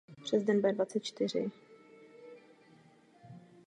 Elektrické ovládání magnetického pole řídí expoziční doba s ohledem na film ve fotoaparátu.